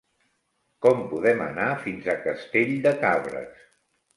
Com podem anar fins a Castell de Cabres?